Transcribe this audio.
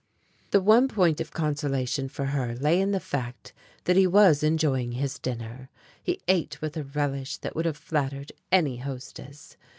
The one point of consolation for her lay in the fact that he was enjoying his dinner. He ate with a relish that would have flattered any hostess.